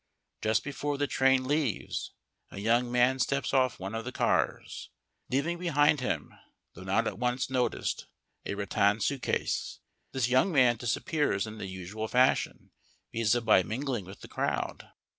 Just before the train leaves a young man steps off one of the cars, leaving behind him (though not at once noticed) a rattan suitcase. This young man disappears in the usual fashion, viz., by mingling with the crowd.